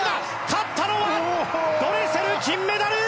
勝ったのはドレセル、金メダル！